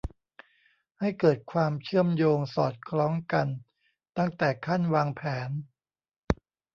ให้เกิดความเชื่อมโยงสอดคล้องกันตั้งแต่ขั้นวางแผน